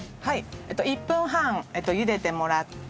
１分半茹でてもらって。